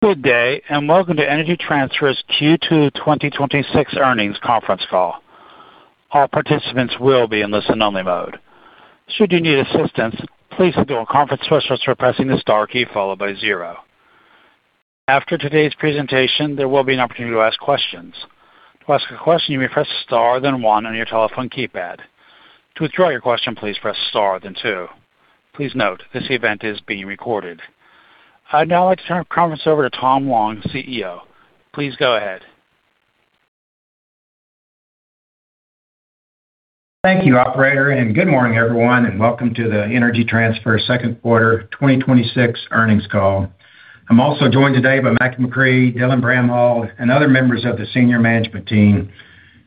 Good day, and welcome to Energy Transfer's Q2 2026 earnings conference call. All participants will be in listen only mode. Should you need assistance, please signal a conference host by pressing the star key followed by zero. After today's presentation, there will be an opportunity to ask questions. To ask a question, you may press star then one on your telephone keypad. To withdraw your question, please press star then two. Please note, this event is being recorded. I'd now like to turn the conference over to Tom Long, CEO. Please go ahead. Thank you, operator, and good morning everyone, and welcome to the Energy Transfer second quarter 2026 earnings call. I'm also joined today by Mackie McCrea, Dylan Bramhall, and other members of the senior management team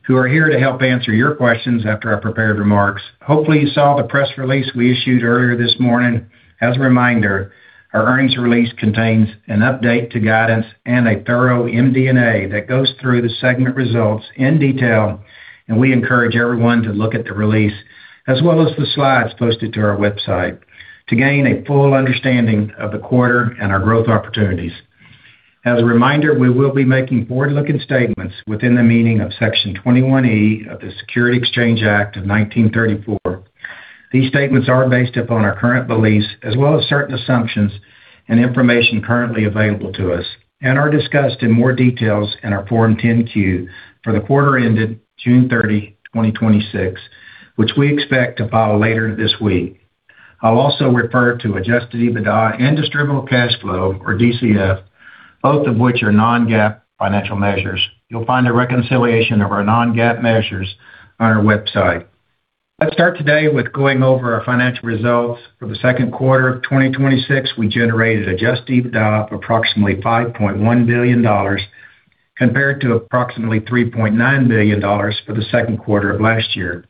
who are here to help answer your questions after our prepared remarks. Hopefully you saw the press release we issued earlier this morning. As a reminder, our earnings release contains an update to guidance and a thorough MD&A that goes through the segment results in detail. We encourage everyone to look at the release as well as the slides posted to our website to gain a full understanding of the quarter and our growth opportunities. As a reminder, we will be making forward-looking statements within the meaning of Section 21E of the Securities Exchange Act of 1934. These statements are based upon our current beliefs as well as certain assumptions and information currently available to us and are discussed in more details in our Form 10-Q for the quarter ended June 30, 2026, which we expect to file later this week. I'll also refer to adjusted EBITDA and distributable cash flow, or DCF, both of which are non-GAAP financial measures. You'll find a reconciliation of our non-GAAP measures on our website. Let's start today with going over our financial results for the second quarter of 2026. We generated adjusted EBITDA of approximately $5.1 billion compared to approximately $3.9 billion for the second quarter of last year.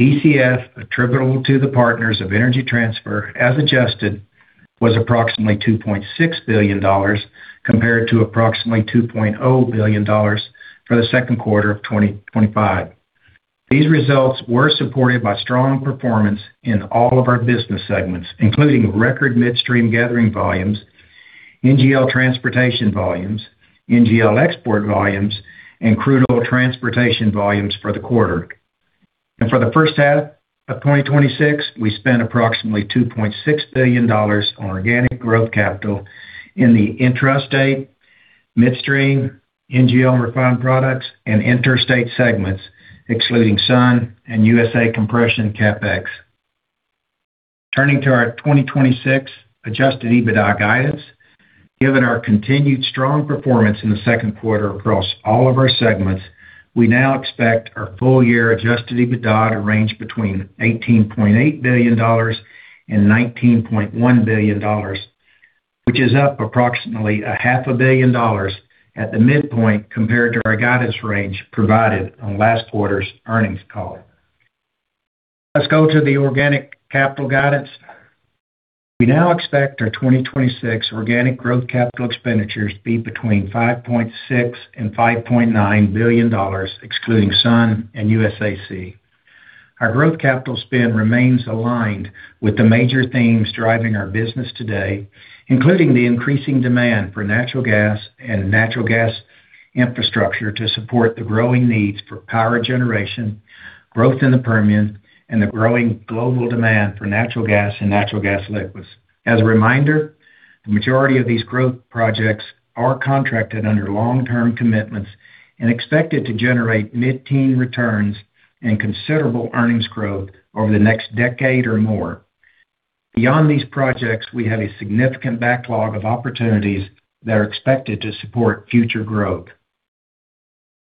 DCF attributable to the partners of Energy Transfer, as adjusted, was approximately $2.6 billion compared to approximately $2.0 billion for the second quarter of 2025. These results were supported by strong performance in all of our business segments, including record midstream gathering volumes, NGL transportation volumes, NGL export volumes, and crude oil transportation volumes for the quarter. For the first half of 2026, we spent approximately $2.6 billion on organic growth capital in the intrastate, midstream, NGL refined products, and interstate segments, excluding SUN and USA Compression CapEx. Turning to our 2026 adjusted EBITDA guidance. Given our continued strong performance in the second quarter across all of our segments, we now expect our full year adjusted EBITDA to range between $18.8 billion and $19.1 billion, which is up approximately a half a billion dollars at the midpoint compared to our guidance range provided on last quarter's earnings call. Let's go to the organic capital guidance. We now expect our 2026 organic growth capital expenditures to be between $5.6 billion and $5.9 billion, excluding SUN and USAC. Our growth capital spend remains aligned with the major themes driving our business today, including the increasing demand for natural gas and natural gas infrastructure to support the growing needs for power generation, growth in the Permian, and the growing global demand for natural gas and natural gas liquids. As a reminder, the majority of these growth projects are contracted under long-term commitments and expected to generate mid-teen returns and considerable earnings growth over the next decade or more. Beyond these projects, we have a significant backlog of opportunities that are expected to support future growth.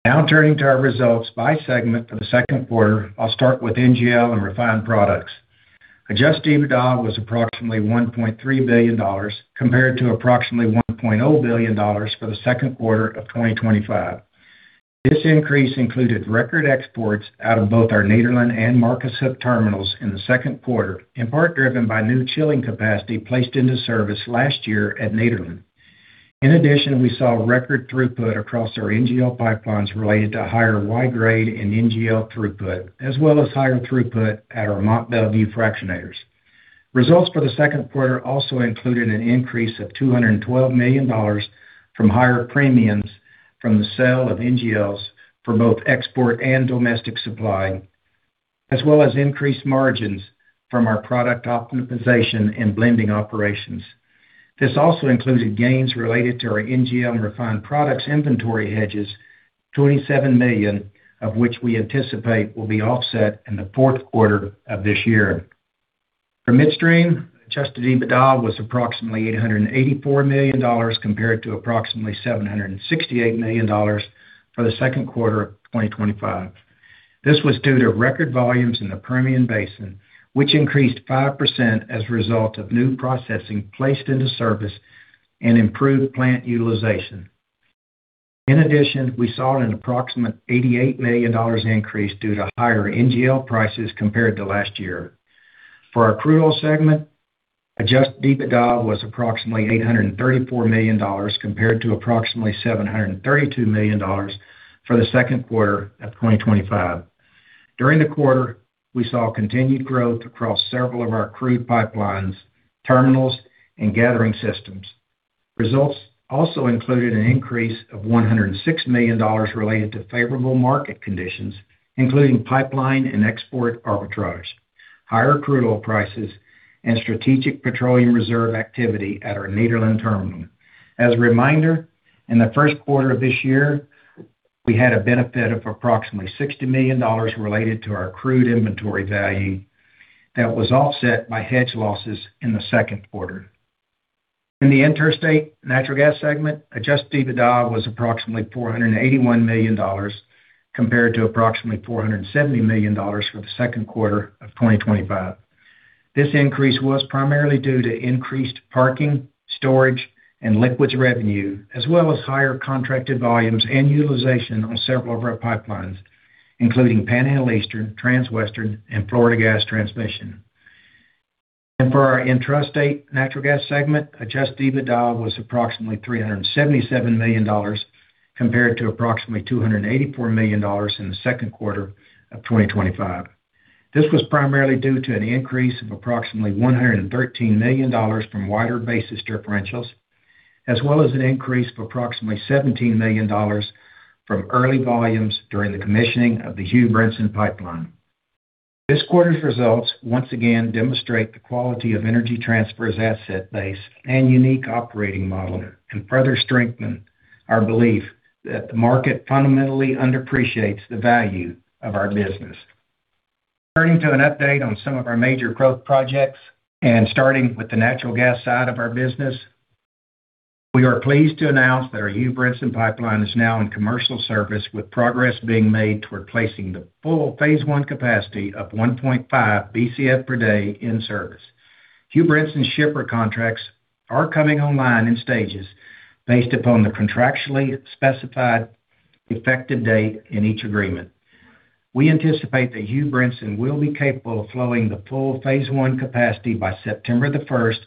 Now turning to our results by segment for the second quarter, I will start with NGL and refined products. Adjusted EBITDA was approximately $1.3 billion, compared to approximately $1.0 billion for the second quarter of 2025. This increase included record exports out of both our Nederland and Marcus Hook terminals in the second quarter, in part driven by new chilling capacity placed into service last year at Nederland. We saw record throughput across our NGL pipelines related to higher Y-grade and NGL throughput, as well as higher throughput at our Mont Belvieu fractionators. Results for the second quarter also included an increase of $212 million from higher premiums from the sale of NGLs for both export and domestic supply, as well as increased margins from our product optimization and blending operations. This also included gains related to our NGL refined products inventory hedges, $27 million of which we anticipate will be offset in the fourth quarter of this year. For Midstream, adjusted EBITDA was approximately $884 million compared to approximately $768 million for the second quarter of 2025. This was due to record volumes in the Permian Basin, which increased 5% as a result of new processing placed into service and improved plant utilization. We saw an approximate $88 million increase due to higher NGL prices compared to last year. For our Crude Oil segment, adjusted EBITDA was approximately $834 million, compared to approximately $732 million for the second quarter of 2025. During the quarter, we saw continued growth across several of our crude pipelines, terminals, and gathering systems. Results also included an increase of $106 million related to favorable market conditions, including pipeline and export arbitrage, higher crude oil prices, and Strategic Petroleum Reserve activity at our Nederland Terminal. As a reminder, in the first quarter of this year, we had a benefit of approximately $60 million related to our crude inventory value that was offset by hedge losses in the second quarter. In the Interstate Natural Gas Segment, adjusted EBITDA was approximately $481 million compared to approximately $470 million for the second quarter of 2025. This increase was primarily due to increased parking, storage, and liquids revenue, as well as higher contracted volumes and utilization on several of our pipelines, including Panhandle Eastern, Transwestern, and Florida Gas Transmission. For our Intrastate Natural Gas Segment, adjusted EBITDA was approximately $377 million compared to approximately $284 million in the second quarter of 2025. This was primarily due to an increase of approximately $113 million from wider basis differentials, as well as an increase of approximately $17 million from early volumes during the commissioning of the Hugh Brinson Pipeline. This quarter's results once again demonstrate the quality of Energy Transfer's asset base and unique operating model, and further strengthen our belief that the market fundamentally underappreciates the value of our business. Turning to an update on some of our major growth projects and starting with the natural gas side of our business, we are pleased to announce that our Hugh Brinson Pipeline is now in commercial service, with progress being made toward placing the full phase I capacity of 1.5 Bcf per day in service. Hugh Brinson shipper contracts are coming online in stages based upon the contractually specified effective date in each agreement. We anticipate that Hugh Brinson will be capable of flowing the full phase I capacity by September 1st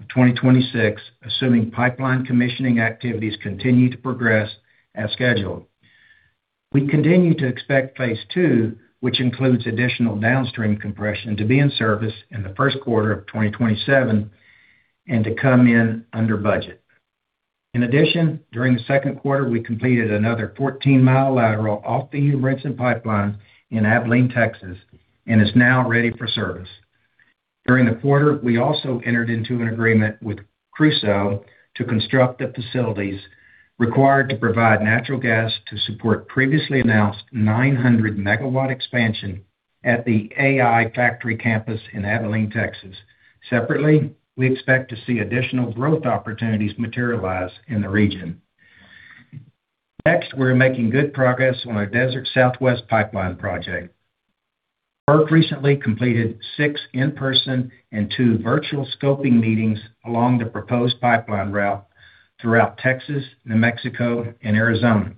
of 2026, assuming pipeline commissioning activities continue to progress as scheduled. We continue to expect phase II, which includes additional downstream compression, to be in service in the first quarter of 2027 and to come in under budget. In addition, during the second quarter, we completed another 14-mi lateral off the Hugh Brinson Pipeline in Abilene, Texas, and is now ready for service. During the quarter, we also entered into an agreement with Crusoe to construct the facilities required to provide natural gas to support previously announced 900-megawatt expansion at the AI Factory campus in Abilene, Texas. Separately, we expect to see additional growth opportunities materialize in the region. Next, we're making good progress on our Desert Southwest Pipeline project. Burke recently completed six in-person and two virtual scoping meetings along the proposed pipeline route throughout Texas, New Mexico, and Arizona.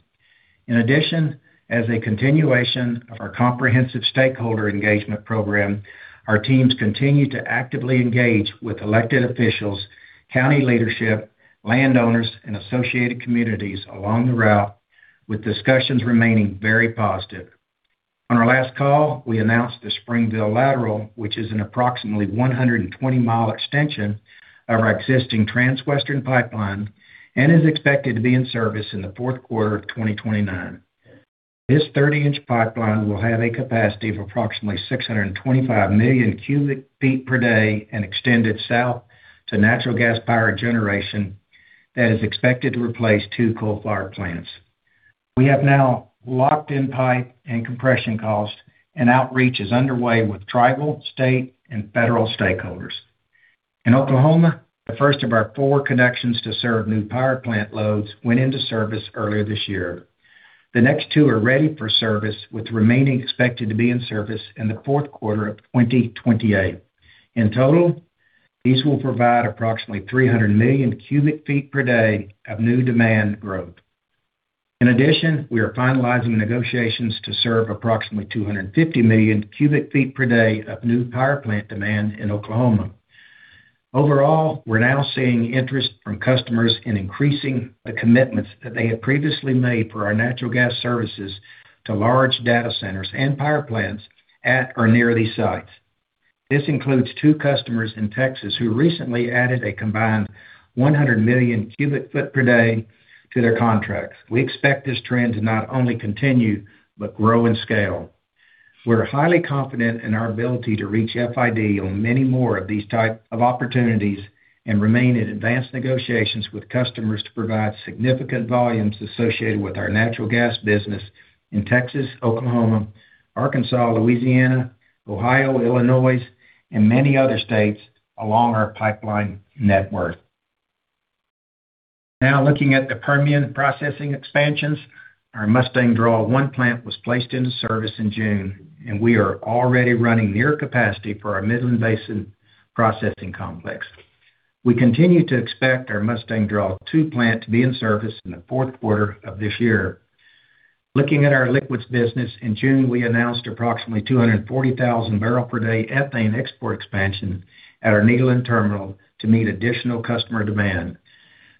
In addition, as a continuation of our comprehensive stakeholder engagement program, our teams continue to actively engage with elected officials, county leadership, landowners, and associated communities along the route, with discussions remaining very positive. On our last call, we announced the Springerville Lateral, which is an approximately 120-mi extension of our existing Transwestern Pipeline and is expected to be in service in the fourth quarter of 2029. This 30-inch pipeline will have a capacity of approximately 625 million cubic feet per day and extend south to natural gas power generation that is expected to replace two coal-fired plants. We have now locked in pipe and compression costs, and outreach is underway with tribal, state, and federal stakeholders. In Oklahoma, the first of our four connections to serve new power plant loads went into service earlier this year. The next two are ready for service, with the remaining expected to be in service in the fourth quarter of 2028. In total, these will provide approximately 300 million cubic feet per day of new demand growth. In addition, we are finalizing negotiations to serve approximately 250 million cubic feet per day of new power plant demand in Oklahoma. Overall, we're now seeing interest from customers in increasing the commitments that they had previously made for our natural gas services to large data centers and power plants at or near these sites. This includes two customers in Texas who recently added a combined 100 million cubic foot per day to their contracts. We expect this trend to not only continue, but grow in scale. We're highly confident in our ability to reach FID on many more of these types of opportunities and remain in advanced negotiations with customers to provide significant volumes associated with our natural gas business in Texas, Oklahoma, Arkansas, Louisiana, Ohio, Illinois, and many other states along our pipeline network. Now looking at the Permian processing expansions. Our Mustang Draw I plant was placed into service in June, and we are already running near capacity for our Midland Basin processing complex. We continue to expect our Mustang Draw II plant to be in service in the fourth quarter of this year. Looking at our liquids business, in June, we announced approximately 240,000 barrel per day ethane export expansion at our Nederland Terminal to meet additional customer demand.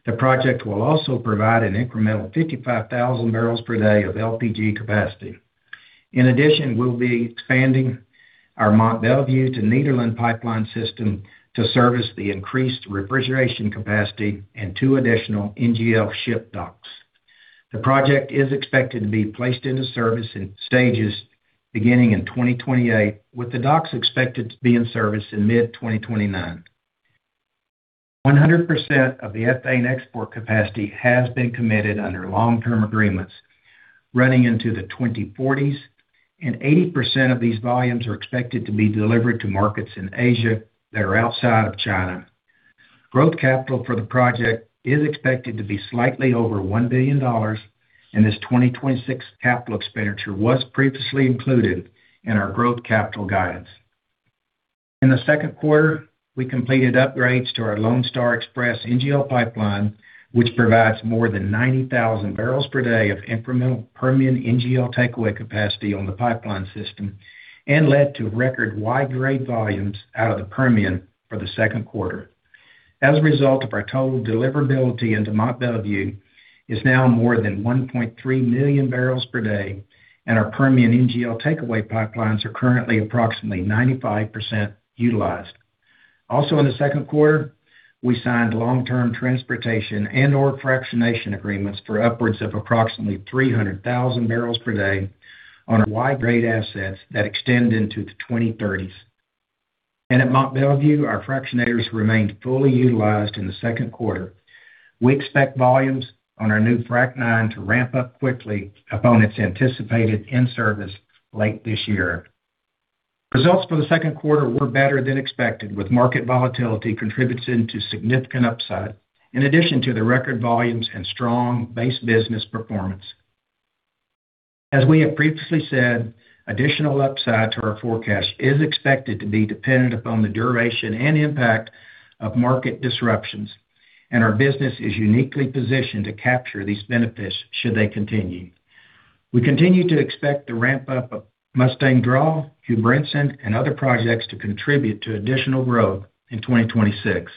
The project will also provide an incremental 55,000 barrels per day of LPG capacity. In addition, we'll be expanding our Mont Belvieu to Nederland pipeline system to service the increased refrigeration capacity and two additional NGL ship docks. The project is expected to be placed into service in stages beginning in 2028, with the docks expected to be in service in mid-2029. 100% of the ethane export capacity has been committed under long-term agreements running into the 2040s, and 80% of these volumes are expected to be delivered to markets in Asia that are outside of China. Growth capital for the project is expected to be slightly over $1 billion, and this 2026 capital expenditure was previously included in our growth capital guidance. In the second quarter, we completed upgrades to our Lone Star Express NGL pipeline, which provides more than 90,000 barrels per day of incremental Permian NGL takeaway capacity on the pipeline system and led to record Y-grade volumes out of the Permian for the second quarter. As a result of our total deliverability into Mont Belvieu, is now more than 1.3 million barrels per day, and our Permian NGL takeaway pipelines are currently approximately 95% utilized. Also, in the second quarter, we signed long-term transportation and/or fractionation agreements for upwards of approximately 300,000 barrels per day on our Y-grade assets that extend into the 2030s. At Mont Belvieu, our fractionators remained fully utilized in the second quarter. We expect volumes on our new Frac IX to ramp up quickly upon its anticipated in-service late this year. Results for the second quarter were better than expected, with market volatility contributing to significant upside, in addition to the record volumes and strong base business performance. As we have previously said, additional upside to our forecast is expected to be dependent upon the duration and impact of market disruptions. Our business is uniquely positioned to capture these benefits should they continue. We continue to expect the ramp-up of Mustang Draw, Hugh Brinson, and other projects to contribute to additional growth in 2026.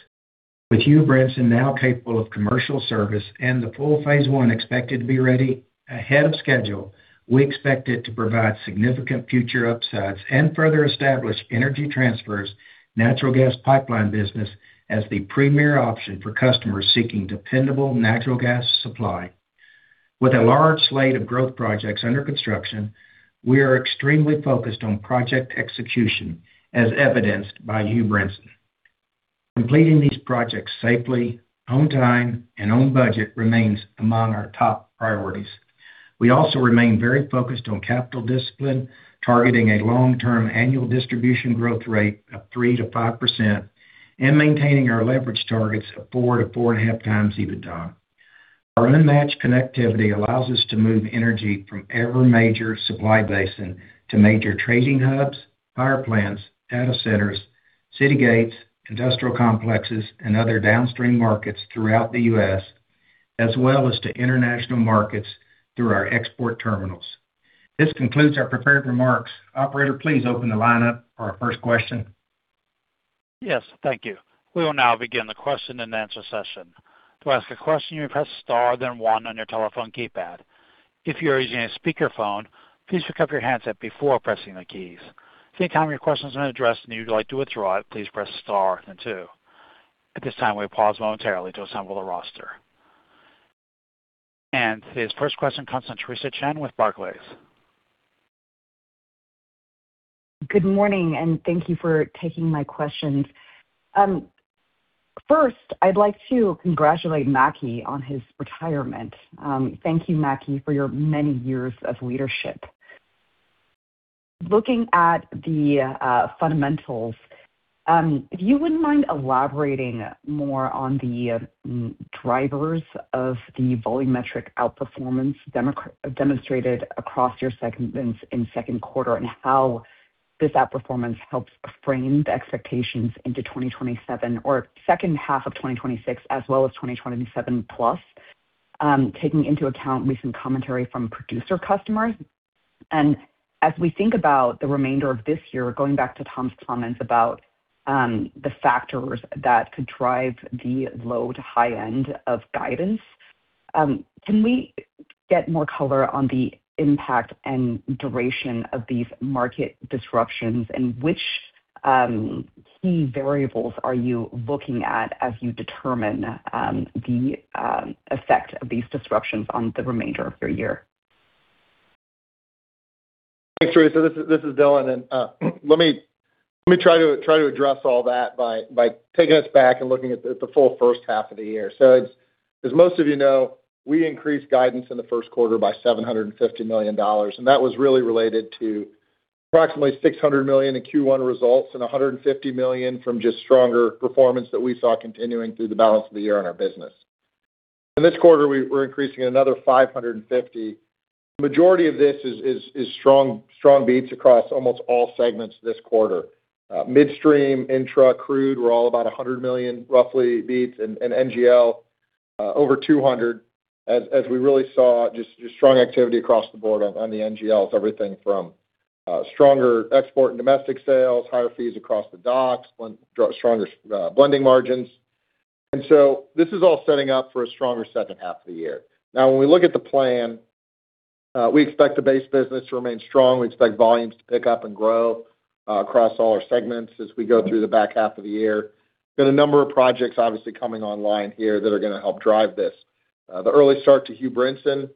With Hugh Brinson now capable of commercial service and the full phase I expected to be ready ahead of schedule, we expect it to provide significant future upsides and further establish Energy Transfer's natural gas pipeline business as the premier option for customers seeking dependable natural gas supply. With a large slate of growth projects under construction, we are extremely focused on project execution, as evidenced by Hugh Brinson. Completing these projects safely, on time, and on budget remains among our top priorities. We also remain very focused on capital discipline, targeting a long-term annual distribution growth rate of 3%-5%, and maintaining our leverage targets of four to four and a half times EBITDA. Our unmatched connectivity allows us to move energy from every major supply basin to major trading hubs, power plants, data centers, city gates, industrial complexes, and other downstream markets throughout the U.S., as well as to international markets through our export terminals. This concludes our prepared remarks. Operator, please open the line up for our first question. Yes, thank you. We will now begin the question-and-answer session. To ask a question, you may press star then one on your telephone keypad. If you are using a speakerphone, please pick up your handset before pressing the keys. If at any time your question has been addressed and you would like to withdraw it, please press star then two. At this time, we pause momentarily to assemble the roster. Today's first question comes from Theresa Chen with Barclays. Good morning, and thank you for taking my questions. First, I'd like to congratulate Mackie on his retirement. Thank you, Mackie, for your many years of leadership. Looking at the fundamentals, if you wouldn't mind elaborating more on the drivers of the volumetric outperformance demonstrated across your segments in second quarter, and how this outperformance helps frame the expectations into 2027 or second half of 2026 as well as 2027+, taking into account recent commentary from producer customers. As we think about the remainder of this year, going back to Tom's comments about the factors that could drive the low to high end of guidance, can we get more color on the impact and duration of these market disruptions, and which key variables are you looking at as you determine the effect of these disruptions on the remainder of your year? Thanks, Theresa. This is Dylan. Let me try to address all that by taking us back and looking at the full first half of the year. As most of you know, we increased guidance in the first quarter by $750 million, and that was really related to approximately $600 million in Q1 results and $150 million from just stronger performance that we saw continuing through the balance of the year on our business. In this quarter, we're increasing another $550 million. Majority of this is strong beats across almost all segments this quarter. Midstream, Intrastate, Crude were all about $100 million, roughly beats, and NGL, over $200 million, as we really saw just strong activity across the board on the NGLs, everything from stronger export and domestic sales, higher fees across the docks, stronger blending margins. This is all setting up for a stronger second half of the year. When we look at the plan, we expect the base business to remain strong. We expect volumes to pick up and grow across all our segments as we go through the back half of the year. We have a number of projects obviously coming online here that are going to help drive this. The early start to Hugh Brinson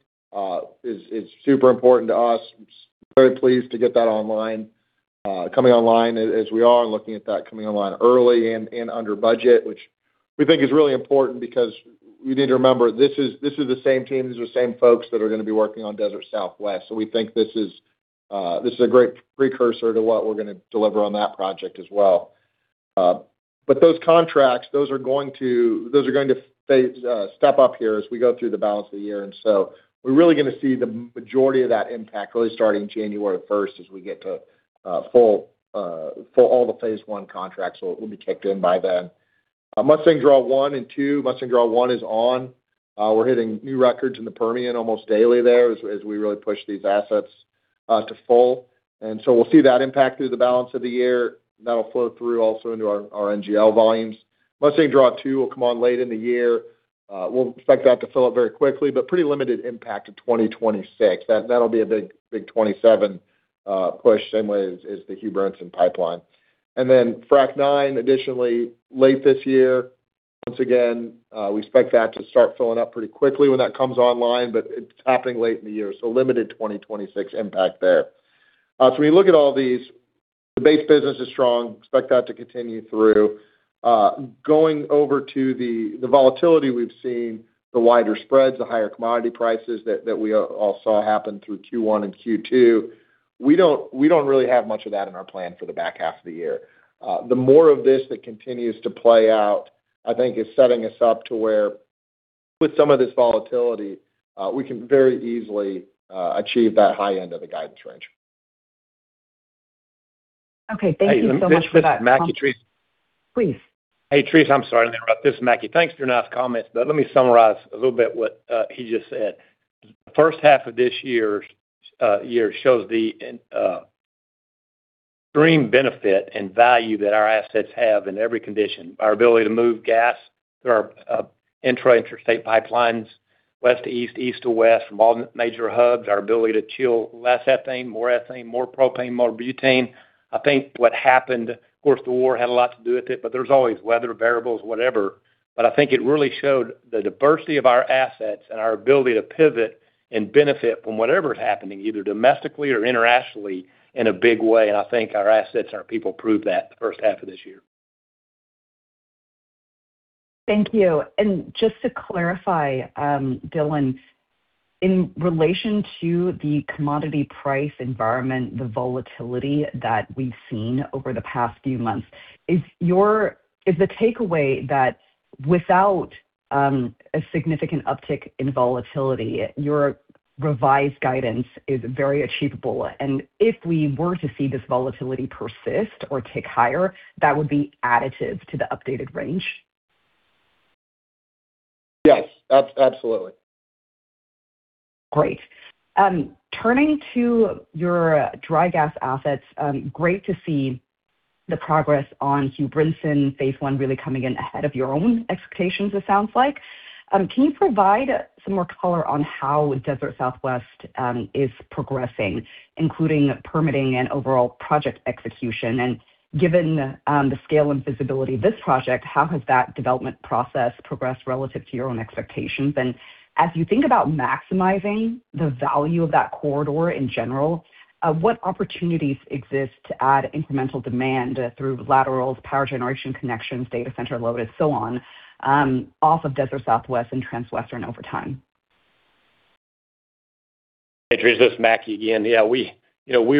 is super important to us. Very pleased to get that coming online as we are, and looking at that coming online early and under budget, which we think is really important because you need to remember, this is the same team, these are the same folks that are going to be working on Desert Southwest. We think this is a great precursor to what we're going to deliver on that project as well. Those contracts, those are going to step up here as we go through the balance of the year. We're really going to see the majority of that impact really starting January 1st as we get to all the phase I contracts will be kicked in by then. Mustang Draw I and II. Mustang Draw I is on. We're hitting new records in the Permian almost daily there as we really push these assets to full. We'll see that impact through the balance of the year. That'll flow through also into our NGL volumes. Mustang Draw II will come on late in the year. We'll expect that to fill up very quickly, but pretty limited impact to 2026. That'll be a big 2027 push, same way as the Hugh Brinson Pipeline. Frac IX additionally, late this year. Once again, we expect that to start filling up pretty quickly when that comes online, but it's happening late in the year, so limited 2026 impact there. When you look at all these, the base business is strong. Expect that to continue through. Going over to the volatility we've seen, the wider spreads, the higher commodity prices that we all saw happen through Q1 and Q2. We don't really have much of that in our plan for the back half of the year. The more of this that continues to play out, I think, is setting us up to where with some of this volatility, we can very easily achieve that high end of the guidance range. Okay. Thank you so much for that. Hey, this is Mackie, Theresa. Please. Hey, Theresa, I'm sorry to interrupt. This is Mackie. Thanks for your nice comments. Let me summarize a little bit what he just said. First half of this year shows the extreme benefit and value that our assets have in every condition. Our ability to move gas through our intra-interstate pipelines, west to east to west, from all major hubs. Our ability to chill less ethane, more ethane, more propane, more butane. I think what happened, of course, the war had a lot to do with it. There's always weather variables, whatever. I think it really showed the diversity of our assets and our ability to pivot and benefit from whatever's happening, either domestically or internationally, in a big way. I think our assets and our people proved that the first half of this year. Thank you. Just to clarify, Dylan, in relation to the commodity price environment, the volatility that we've seen over the past few months, is the takeaway that without a significant uptick in volatility, your revised guidance is very achievable? If we were to see this volatility persist or tick higher, that would be additive to the updated range? Yes. Absolutely. Great. Turning to your dry gas assets. Great to see the progress on Hugh Brinson phase I really coming in ahead of your own expectations, it sounds like. Can you provide some more color on how Desert Southwest is progressing, including permitting and overall project execution? How has that development process progressed relative to your own expectations? As you think about maximizing the value of that corridor in general, what opportunities exist to add incremental demand through laterals, power generation connections, data center load, and so on off of Desert Southwest and Transwestern over time? Hey, Theresa, it's Mackie again. We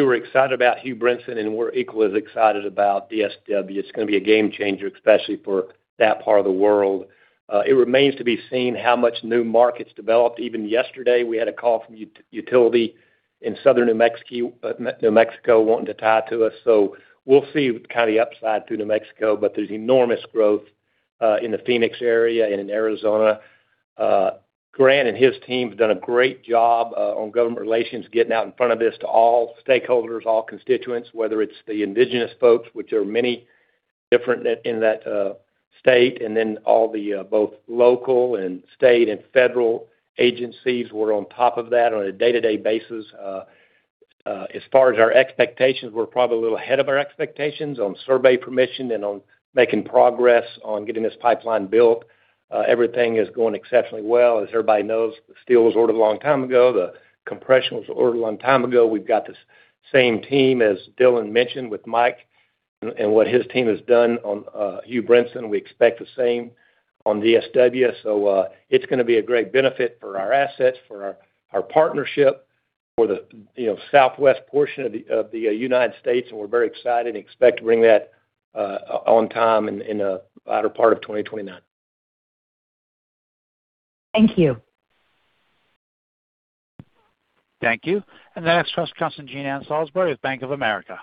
were excited about Hugh Brinson, and we're equally as excited about DSW. It's going to be a game changer, especially for that part of the world. It remains to be seen how much new markets developed. Even yesterday, we had a call from a utility in southern New Mexico wanting to tie to us, so we'll see kind of the upside through New Mexico. There's enormous growth in the Phoenix area and in Arizona. Grant and his team have done a great job on government relations, getting out in front of this to all stakeholders, all constituents, whether it's the indigenous folks, which are many different in that state, and then all the both local and state and federal agencies. We're on top of that on a day-to-day basis. As far as our expectations, we're probably a little ahead of our expectations on survey permission and on making progress on getting this pipeline built. Everything is going exceptionally well. As everybody knows, the steel was ordered a long time ago. The compression was ordered a long time ago. We've got the same team, as Dylan mentioned with Mike, and what his team has done on Hugh Brinson. We expect the same on DSW. It's going to be a great benefit for our assets, for our partnership, for the southwest portion of the United States, and we're very excited and expect to bring that on time in the latter part of 2029. Thank you. Thank you. The next question is Jean Ann Salisbury with Bank of America.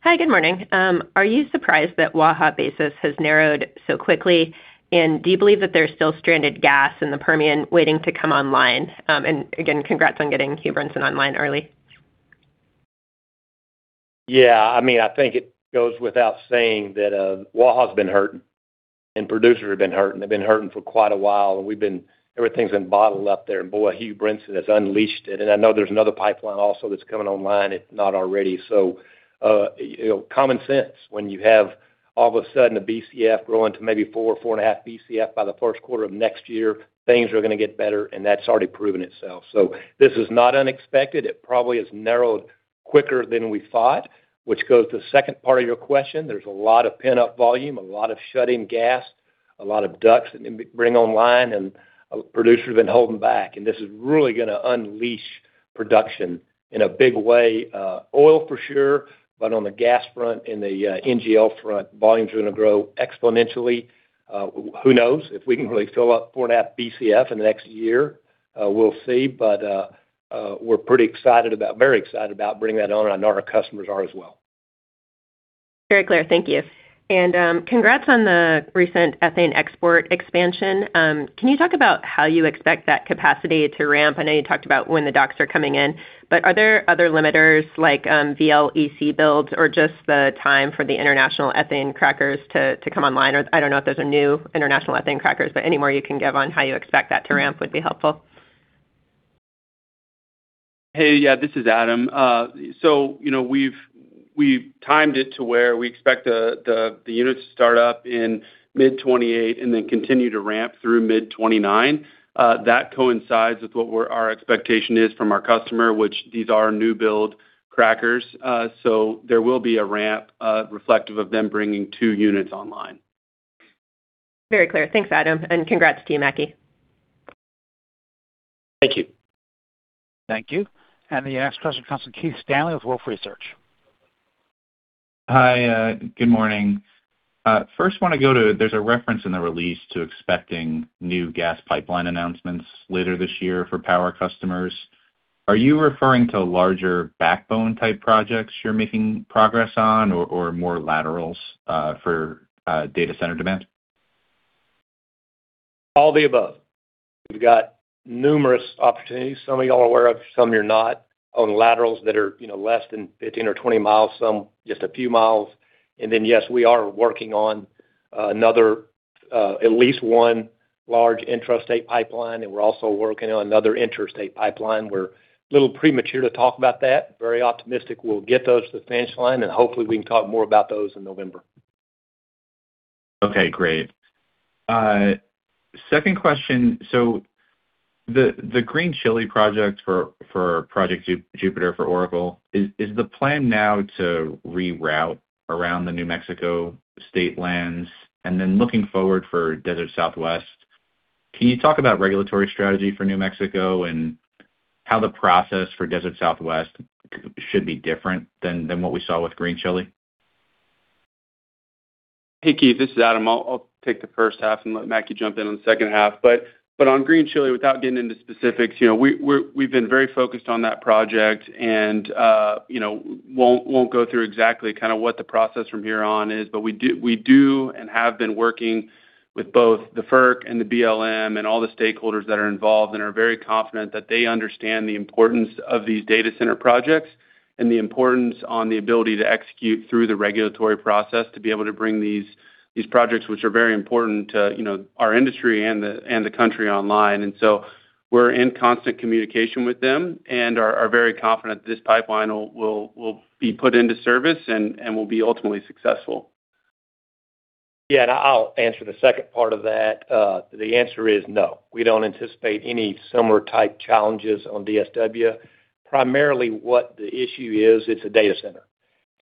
Hi, good morning. Are you surprised that Waha basis has narrowed so quickly? Do you believe that there's still stranded gas in the Permian waiting to come online? Again, congrats on getting Hugh Brinson online early. Yeah. I think it goes without saying that Waha's been hurting and producers have been hurting. They've been hurting for quite a while, and everything's been bottled up there. Boy, Hugh Brinson has unleashed it. I know there's another pipeline also that's coming online, if not already. Common sense, when you have all of a sudden a Bcf growing to maybe 4.5 Bcf by the first quarter of next year, things are going to get better, and that's already proven itself. This is not unexpected. It probably has narrowed quicker than we thought, which goes to the second part of your question. There's a lot of pent-up volume, a lot of shut-in gas, a lot of ducts to bring online, and producers have been holding back. This is really going to unleash production in a big way. Oil for sure, on the gas front and the NGL front, volumes are going to grow exponentially. Who knows? If we can really fill up 4.5 Bcf in the next year, we'll see. We're very excited about bringing that on, and I know our customers are as well. Very clear. Thank you. Congrats on the recent ethane export expansion. Can you talk about how you expect that capacity to ramp? I know you talked about when the docks are coming in, but are there other limiters like VLEC builds or just the time for the international ethane crackers to come online? I don't know if there's a new international ethane crackers, but any more you can give on how you expect that to ramp would be helpful. Hey. Yeah, this is Adam. We've timed it to where we expect the unit to start up in mid 2028 and then continue to ramp through mid 2029. That coincides with what our expectation is from our customer, which these are new build crackers. There will be a ramp reflective of them bringing two units online. Very clear. Thanks, Adam, congrats to you, Mackie. Thank you. Thank you. The next question comes from Keith Stanley with Wolfe Research. Hi, good morning. There's a reference in the release to expecting new gas pipeline announcements later this year for power customers. Are you referring to larger backbone type projects you're making progress on or more laterals for data center demand? All the above. We've got numerous opportunities. Some of y'all are aware of, some you're not, on laterals that are less than 15 or 20 mi, some just a few miles. Yes, we are working on another at least one large intrastate pipeline, we're also working on another interstate pipeline. We're a little premature to talk about that. Very optimistic we'll get those to the finish line, hopefully we can talk more about those in November. Okay, great. Second question. The Green Chile project for Project Jupiter for Oracle, is the plan now to reroute around the New Mexico state lands? Looking forward for Desert Southwest, can you talk about regulatory strategy for New Mexico and how the process for Desert Southwest should be different than what we saw with Green Chile? Hey, Keith, this is Adam. I'll take the first half and let Mackie jump in on the second half. On Green Chile, without getting into specifics, we've been very focused on that project and won't go through exactly kind of what the process from here on is. We do and have been working with both the FERC and the BLM and all the stakeholders that are involved and are very confident that they understand the importance of these data center projects and the importance on the ability to execute through the regulatory process to be able to bring these projects, which are very important to our industry and the country online. We're in constant communication with them and are very confident that this pipeline will be put into service and will be ultimately successful. Yeah, I'll answer the second part of that. The answer is no. We don't anticipate any similar type challenges on DSW. Primarily what the issue is, it's a data center.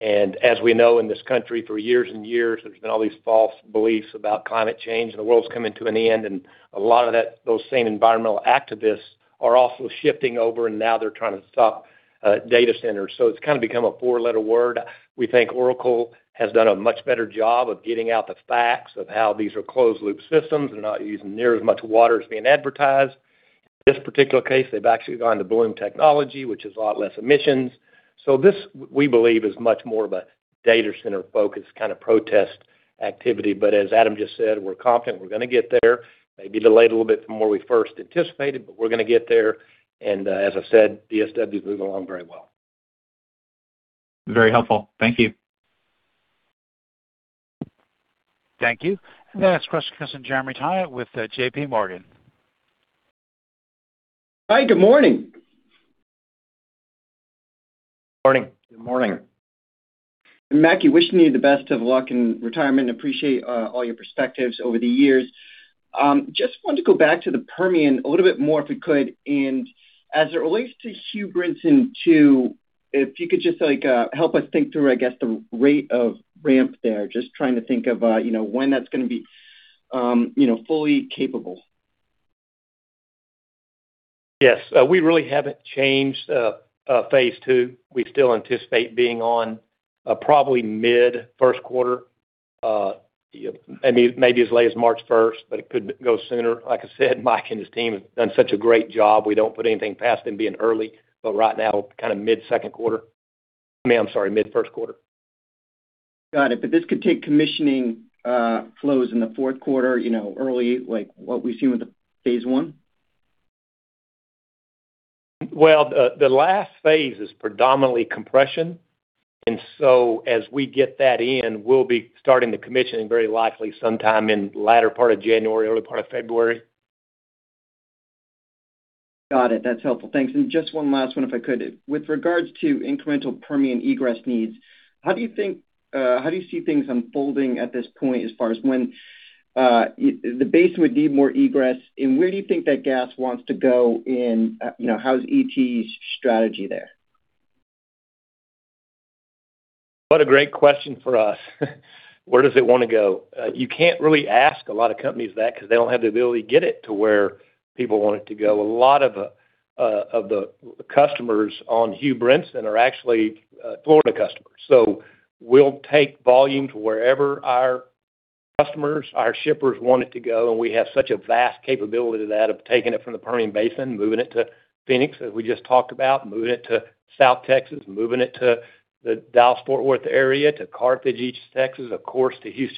As we know in this country, for years and years, there's been all these false beliefs about climate change and the world's coming to an end. A lot of those same environmental activists are also shifting over, and now they're trying to stop data centers. It's kind of become a four-letter word. We think Oracle has done a much better job of getting out the facts of how these are closed loop systems. They're not using near as much water as being advertised. In this particular case, they've actually gone to Bloom Energy, which is a lot less emissions. This, we believe, is much more of a data center focused kind of protest activity. As Adam just said, we're confident we're going to get there. Maybe delayed a little bit from where we first anticipated, we're going to get there. As I said, DSW's moving along very well. Very helpful. Thank you. Thank you. The next question comes in Jeremy Tonet with JPMorgan. Hi, good morning. Morning. Good morning. Mackie, wishing you the best of luck in retirement. Appreciate all your perspectives over the years. Just wanted to go back to the Permian a little bit more, if we could. As it relates to Hugh Brinson too, if you could just help us think through, I guess, the rate of ramp there. Just trying to think of when that's going to be fully capable. Yes. We really haven't changed phase II. We still anticipate being on probably mid-first quarter. Maybe as late as March 1st, but it could go sooner. Like I said, Mike and his team have done such a great job. We don't put anything past them being early, but right now, kind of mid-second quarter. I mean, I'm sorry, mid-first quarter. This could take commissioning flows in the fourth quarter, early, like what we've seen with the phase I? Well, the last phase is predominantly compression. As we get that in, we'll be starting the commissioning very likely sometime in the latter part of January, early part of February. Got it. That's helpful. Thanks. Just one last one, if I could. With regards to incremental Permian egress needs, how do you see things unfolding at this point as far as when the basin would need more egress? Where do you think that gas wants to go, and how's ET's strategy there? What a great question for us. Where does it want to go? You can't really ask a lot of companies that because they don't have the ability to get it to where people want it to go. A lot of the customers on Hugh Brinson Pipeline are actually Florida customers. We'll take volume to wherever our customers, our shippers want it to go, and we have such a vast capability to that, of taking it from the Permian Basin, moving it to Phoenix, as we just talked about, moving it to South Texas, moving it to the Dallas-Fort Worth area, to Carthage, East Texas, of course, to Katy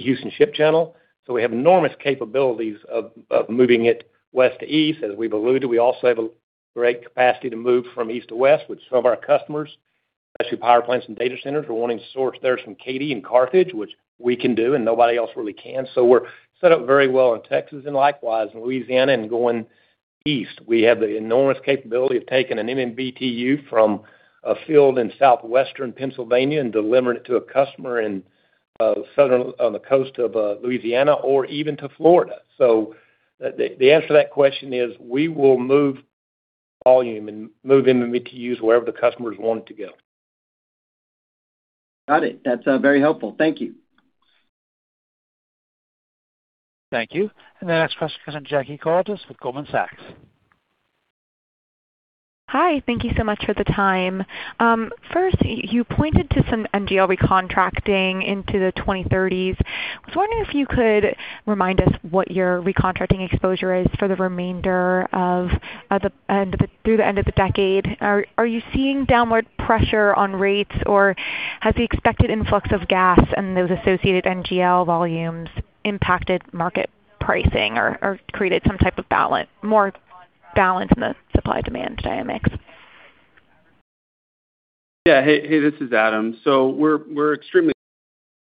Houston Ship Channel. We have enormous capabilities of moving it west to east, as we've alluded. We also have a great capacity to move from east to west, which some of our customers, especially power plants and data centers, are wanting to source theirs from Katy and Carthage, which we can do and nobody else really can. We're set up very well in Texas and likewise in Louisiana and going east. We have the enormous capability of taking an MMBtu from a field in southwestern Pennsylvania and delivering it to a customer on the coast of Louisiana or even to Florida. The answer to that question is we will move volume and move MMBtus wherever the customers want it to go. Got it. That's very helpful. Thank you. Thank you. The next question comes in from Jackie Torres with Goldman Sachs. Hi. Thank you so much for the time. First, you pointed to some NGL recontracting into the 2030s. I was wondering if you could remind us what your recontracting exposure is for the remainder through the end of the decade. Are you seeing downward pressure on rates, or has the expected influx of gas and those associated NGL volumes impacted market pricing or created some type of more balance in the supply-demand dynamics? Yeah. Hey, this is Adam. We're extremely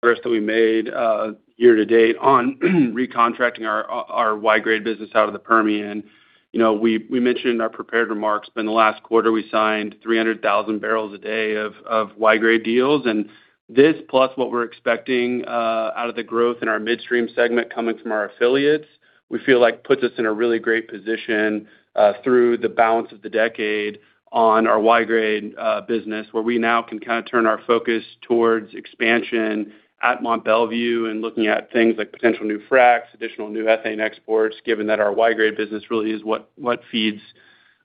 that we made year-to-date on recontracting our Y-grade business out of the Permian. We mentioned in our prepared remarks, in the last quarter, we signed 300,000 barrels a day of Y-grade deals, and this plus what we're expecting out of the growth in our midstream segment coming from our affiliates, we feel like puts us in a really great position through the balance of the decade on our Y-grade business, where we now can kind of turn our focus towards expansion at Mont Belvieu and looking at things like potential new fracs, additional new ethane exports, given that our Y-grade business really is what feeds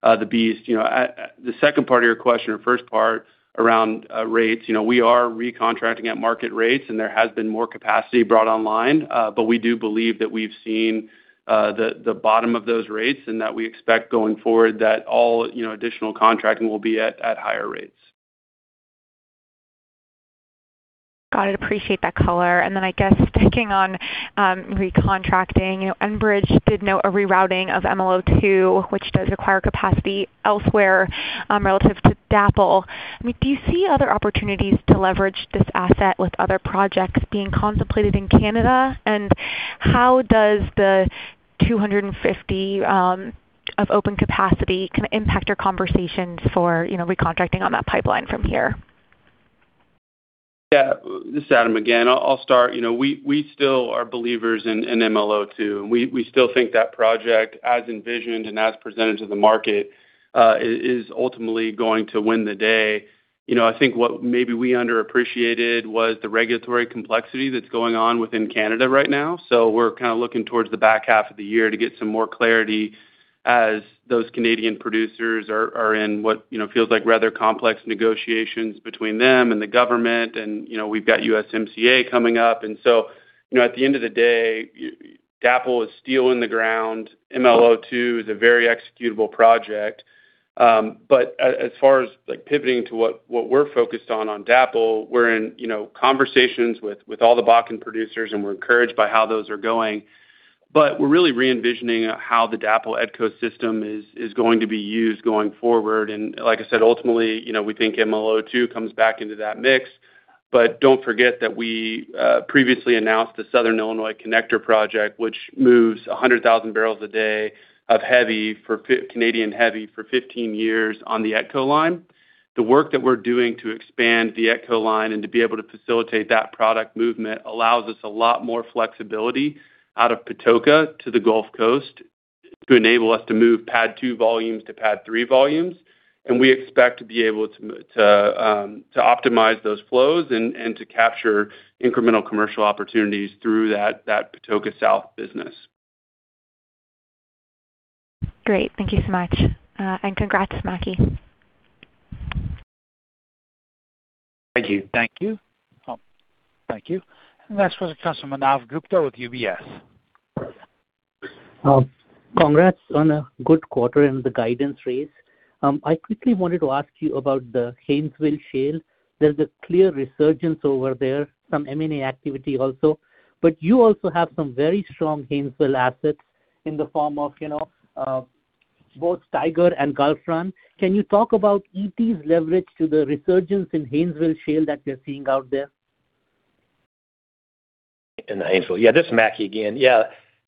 the beast. The second part of your question, or first part around rates. We are recontracting at market rates, and there has been more capacity brought online. We do believe that we've seen the bottom of those rates and that we expect going forward that all additional contracting will be at higher rates. Got it. Appreciate that color. I guess sticking on recontracting, Enbridge did note a rerouting of MLO2, which does require capacity elsewhere relative to DAPL. Do you see other opportunities to leverage this asset with other projects being contemplated in Canada? How does the 250 of open capacity kind of impact your conversations for recontracting on that pipeline from here? Yeah. This is Adam again. I'll start. We still are believers in MLO2, we still think that project, as envisioned and as presented to the market, is ultimately going to win the day. I think what maybe we underappreciated was the regulatory complexity that's going on within Canada right now. We're kind of looking towards the back half of the year to get some more clarity as those Canadian producers are in what feels like rather complex negotiations between them and the government, we've got USMCA coming up. At the end of the day, DAPL is steel in the ground. MLO2 is a very executable project. As far as pivoting to what we're focused on DAPL, we're in conversations with all the Bakken producers, and we're encouraged by how those are going. We're really re-envisioning how the DAPL ecosystem is going to be used going forward. Like I said, ultimately, we think MLO2 comes back into that mix. Don't forget that we previously announced the Southern Illinois Connector project, which moves 100,000 barrels a day of Canadian heavy for 15 years on the ECHO line. The work that we're doing to expand the ECHO line and to be able to facilitate that product movement allows us a lot more flexibility out of Patoka to the Gulf Coast to enable us to move PADD 2 volumes to PADD 3 volumes. We expect to be able to optimize those flows and to capture incremental commercial opportunities through that Patoka South business. Great. Thank you so much. Congrats, Mackie. Thank you. Thank you. Thank you. Next for the customer, Manav Gupta with UBS. Congrats on a good quarter and the guidance raise. I quickly wanted to ask you about the Haynesville Shale. There's a clear resurgence over there, some M&A activity also. You also have some very strong Haynesville assets in the form of Both Tiger and Gulf Run. Can you talk about ET's leverage to the resurgence in Haynesville Shale that we're seeing out there? In Haynesville. This is Mackie again.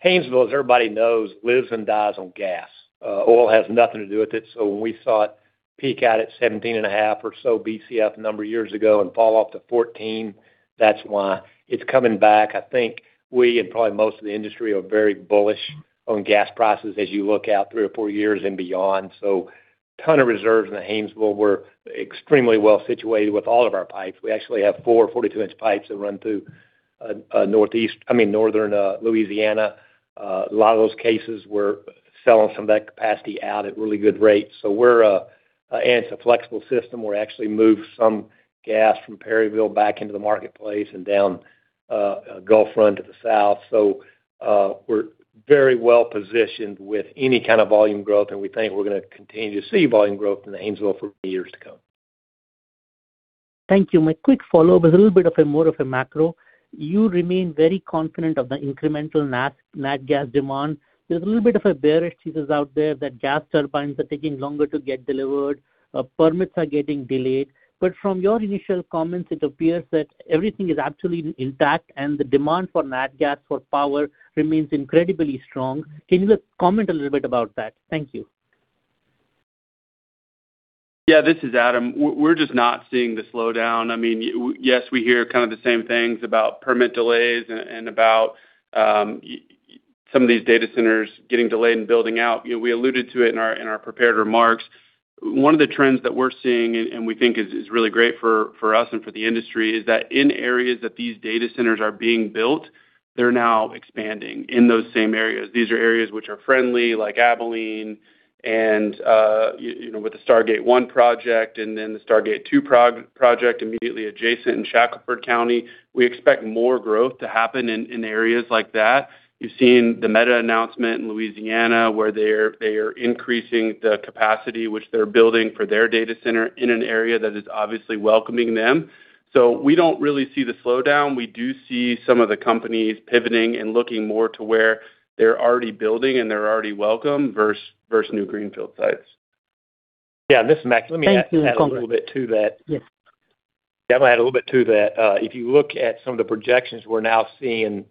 Haynesville, as everybody knows, lives and dies on gas. Oil has nothing to do with it. When we saw it peak out at 17.5 or so Bcf a number of years ago and fall off to 14, that's why. It's coming back. I think we, and probably most of the industry, are very bullish on gas prices as you look out three or four years and beyond. Ton of reserves in the Haynesville. We're extremely well-situated with all of our pipes. We actually have four 42-inch pipes that run through Northern Louisiana. A lot of those cases, we're selling some of that capacity out at really good rates. It's a flexible system. We actually moved some gas from Perryville back into the marketplace and down Gulf Run to the south. We're very well-positioned with any kind of volume growth, and we think we're going to continue to see volume growth in the Haynesville for years to come. Thank you. My quick follow-up is a little bit of a more of a macro. You remain very confident of the incremental nat gas demand. There's a little bit of a bearish thesis out there that gas turbines are taking longer to get delivered, permits are getting delayed. From your initial comments, it appears that everything is actually intact, and the demand for nat gas for power remains incredibly strong. Can you just comment a little bit about that? Thank you. This is Adam. We're just not seeing the slowdown. Yes, we hear kind of the same things about permit delays and about some of these data centers getting delayed in building out. We alluded to it in our prepared remarks. One of the trends that we're seeing, and we think is really great for us and for the industry, is that in areas that these data centers are being built, they're now expanding in those same areas. These are areas which are friendly, like Abilene and with the Stargate 1 project, and then the Stargate Project immediately adjacent in Shackelford County. We expect more growth to happen in areas like that. You've seen the Meta announcement in Louisiana, where they are increasing the capacity which they're building for their data center in an area that is obviously welcoming them. We don't really see the slowdown. We do see some of the companies pivoting and looking more to where they're already building, and they're already welcome versus new greenfield sites. This is Mackie. Let me add a little bit to that. Yes. I'm going to add a little bit to that. If you look at some of the projections, we're now seeing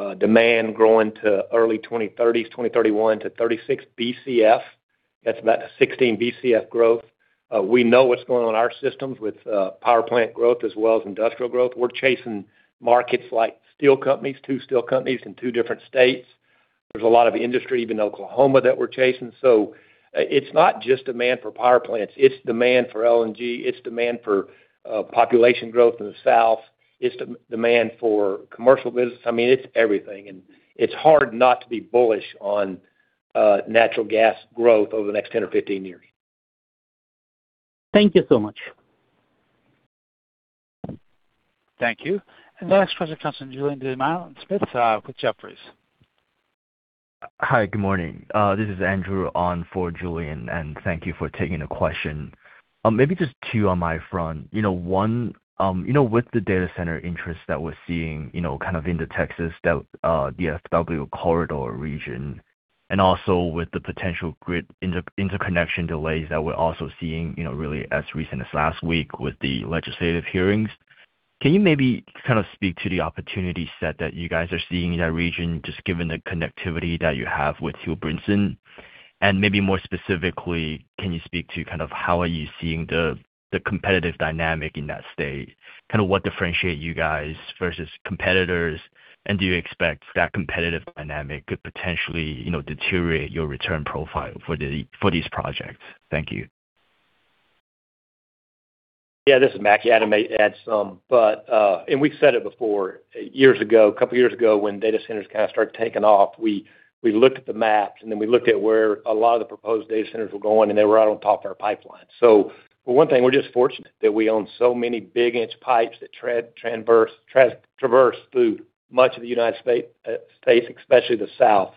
in LNG demand growing to early 2030s, 2031 to 2036 Bcf. That's about a 16 Bcf growth. We know what's going on in our systems with power plant growth as well as industrial growth. We're chasing markets like steel companies, two steel companies in two different states. There's a lot of industry, even in Oklahoma that we're chasing. It's not just demand for power plants, it's demand for LNG, it's demand for population growth in the south. It's demand for commercial business. I mean, it's everything, and it's hard not to be bullish on natural gas growth over the next 10 or 15 years. Thank you so much. Thank you. The next question comes from Julien Dumoulin-Smith with Jefferies. Hi, good morning. This is Andrew on for Julien, thank you for taking the question. Maybe just two on my front. One, with the data center interest that we're seeing kind of in the Texas DFW corridor region, also with the potential grid interconnection delays that we're also seeing really as recent as last week with the legislative hearings. Can you maybe kind of speak to the opportunity set that you guys are seeing in that region, just given the connectivity that you have with Hugh Brinson? Maybe more specifically, can you speak to kind of how are you seeing the competitive dynamic in that state? Kind of what differentiate you guys versus competitors, and do you expect that competitive dynamic could potentially deteriorate your return profile for these projects? Thank you. This is Mackie. Adam may add some. We said it before, a couple of years ago, when data centers kind of started taking off, we looked at the maps, and then we looked at where a lot of the proposed data centers were going, and they were right on top of our pipelines. For one thing, we're just fortunate that we own so many big inch pipes that traverse through much of the U.S., especially the South.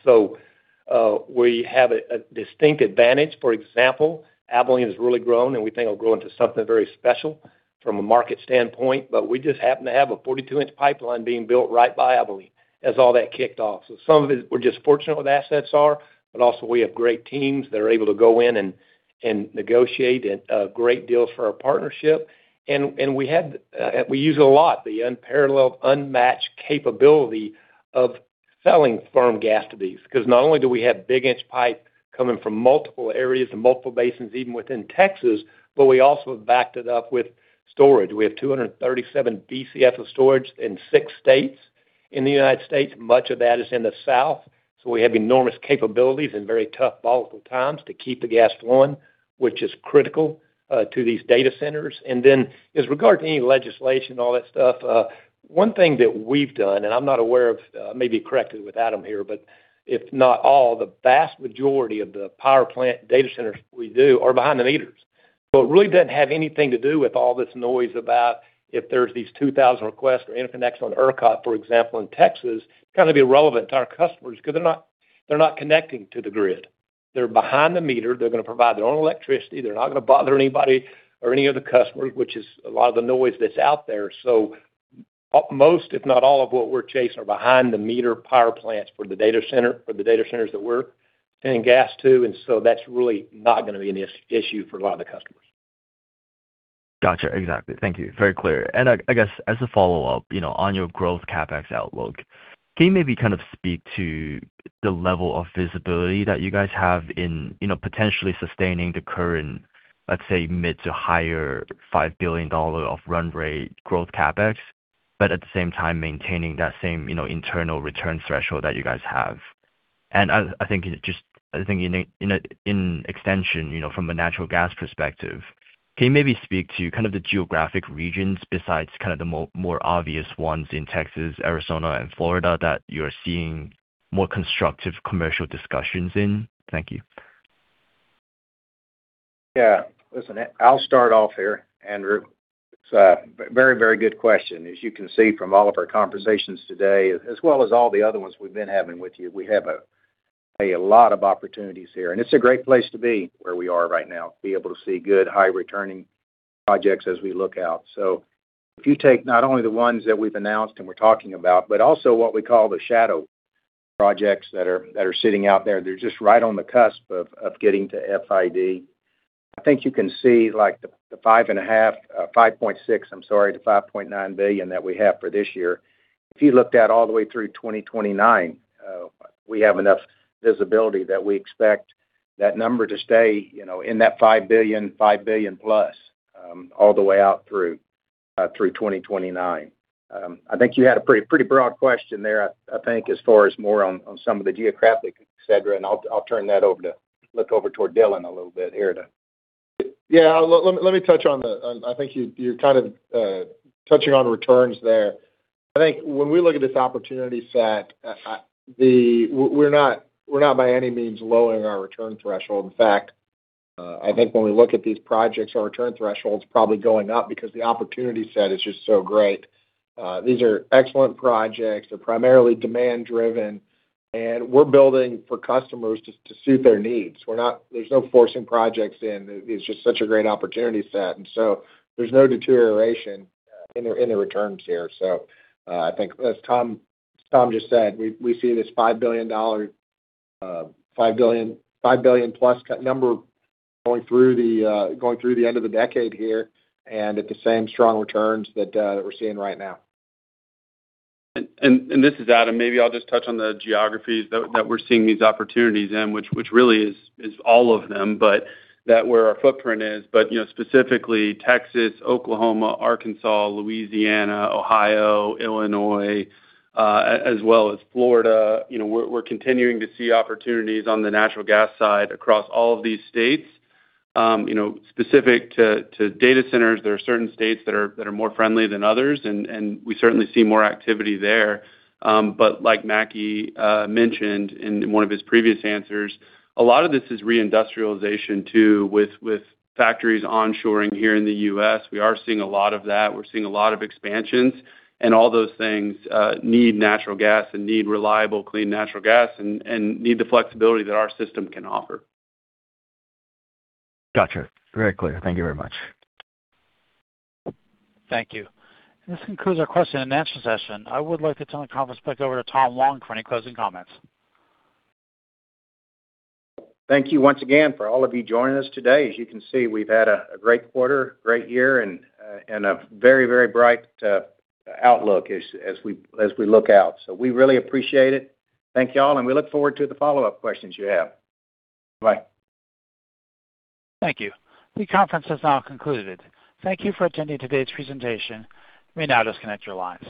We have a distinct advantage. For example, Abilene has really grown, and we think it'll grow into something very special from a market standpoint. We just happen to have a 42-inch pipeline being built right by Abilene as all that kicked off. Some of it, we're just fortunate with assets are, but also we have great teams that are able to go in and negotiate great deals for our partnership. We use it a lot, the unparalleled, unmatched capability of selling firm gas to these, because not only do we have big inch pipe coming from multiple areas and multiple basins, even within Texas, but we also have backed it up with storage. We have 237 Bcf of storage in six states in the U.S. Much of that is in the South. We have enormous capabilities in very tough volatile times to keep the gas flowing, which is critical to these data centers. As regard to any legislation, all that stuff, one thing that we've done, and I'm not aware of, maybe correct me with Adam here, but if not all, the vast majority of the power plant data centers we do are behind the meter. It really doesn't have anything to do with all this noise about if there's these 2,000 requests for interconnection on ERCOT, for example, in Texas. Kind of irrelevant to our customers because they're not connecting to the grid. They're behind the meter. They're going to provide their own electricity. They're not going to bother anybody or any other customers, which is a lot of the noise that's out there. Most, if not all, of what we're chasing are behind the meter power plants for the data centers that we're sending gas to, that's really not going to be an issue for a lot of the customers. Got you. Exactly. Thank you. Very clear. I guess as a follow-up, on your growth CapEx outlook, can you maybe speak to the level of visibility that you guys have in potentially sustaining the current, let's say, mid to higher $5 billion of run rate growth CapEx, but at the same time maintaining that same internal return threshold that you guys have? I think in extension, from a natural gas perspective, can you maybe speak to the geographic regions besides the more obvious ones in Texas, Arizona, and Florida that you're seeing more constructive commercial discussions in? Thank you. Yeah. Listen, I'll start off here, Andrew. It's a very good question. As you can see from all of our conversations today, as well as all the other ones we've been having with you, we have a lot of opportunities here. It's a great place to be where we are right now, to be able to see good high-returning projects as we look out. If you take not only the ones that we've announced and we're talking about, but also what we call the shadow projects that are sitting out there, they're just right on the cusp of getting to FID. I think you can see the $5.6 billion-$5.9 billion that we have for this year. If you looked at all the way through 2029, we have enough visibility that we expect that number to stay in that $5 billion, $5 billion plus all the way out through 2029. I think you had a pretty broad question there, I think, as far as more on some of the geographic et cetera, I'll turn that over to look over toward Dylan a little bit here. Yeah. Let me touch on the I think you're kind of touching on returns there. I think when we look at this opportunity set, we're not by any means lowering our return threshold. In fact, I think when we look at these projects, our return threshold's probably going up because the opportunity set is just so great. These are excellent projects. They're primarily demand-driven, we're building for customers to suit their needs. There's no forcing projects in. It's just such a great opportunity set, there's no deterioration in the returns here. I think as Tom just said, we see this $5 billion plus number going through the end of the decade here, at the same strong returns that we're seeing right now. This is Adam. I'll just touch on the geographies that we're seeing these opportunities in, which really is all of them, but that where our footprint is. Specifically Texas, Oklahoma, Arkansas, Louisiana, Ohio, Illinois, as well as Florida. We're continuing to see opportunities on the natural gas side across all of these states. Specific to data centers, there are certain states that are more friendly than others, and we certainly see more activity there. Like Mackie mentioned in one of his previous answers, a lot of this is reindustrialization too, with factories onshoring here in the U.S. We are seeing a lot of that. We're seeing a lot of expansions, and all those things need natural gas, and need reliable, clean natural gas, and need the flexibility that our system can offer. Got you. Very clear. Thank you very much. Thank you. This concludes our question and answer session. I would like to turn the conference back over to Tom Long for any closing comments. Thank you once again for all of you joining us today. As you can see, we've had a great quarter, great year, and a very bright outlook as we look out. We really appreciate it. Thank you all. We look forward to the follow-up questions you have. Bye. Thank you. The conference has now concluded. Thank you for attending today's presentation. You may now disconnect your lines.